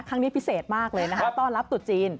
ครั้งนี้พิเศษมากเลยนะคะต้อนรับตุดจีน